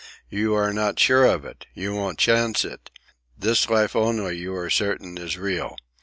You are not sure of it. You won't chance it. This life only you are certain is real.